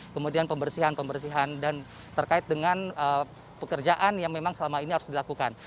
kemudian pembersihan pembersihan dan terkait dengan pekerjaan yang memang selama ini harus dilakukan